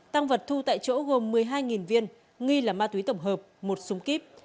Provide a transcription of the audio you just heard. tăng vật thu tại chỗ gồm một mươi hai viên nghi là ma túy tổng hợp một súng kíp